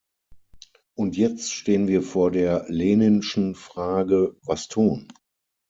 Und jetzt stehen wir vor der Leninschen Frage "Was tun?".